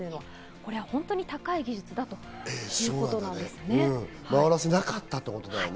これは本当に高い技術だというこ回らせなかったってことだよね。